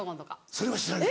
それは知らない。